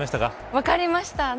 分かりました。